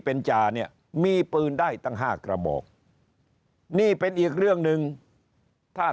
เป็นจาเนี่ยมีปืนได้ตั้ง๕กระบอกนี่เป็นอีกเรื่องหนึ่งถ้า